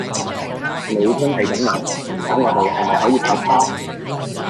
你真係噉諗？噉我哋係咪可以拍拖？